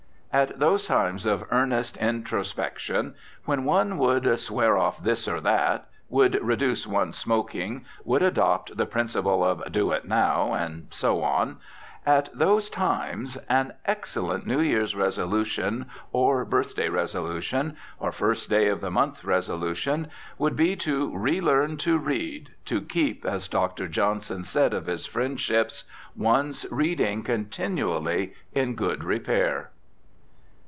At those times of earnest introspection, when one would "swear off" this or that, would reduce one's smoking, would adopt the principle of "do it now," and so on at those times an excellent New Year's resolution, or birthday resolution, or first day of the month resolution, would be to re learn to read, to keep, as Dr. Johnson said of his friendships, one's reading continually "in good repair."